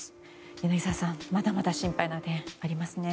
柳澤さんまだまだ心配な点、ありますね。